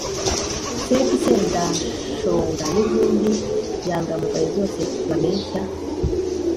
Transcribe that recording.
seti sendashonga n'izindi nyangamugayo zose babeshya